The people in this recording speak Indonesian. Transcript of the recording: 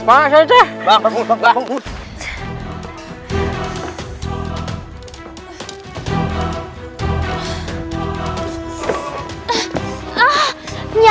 makan makan makan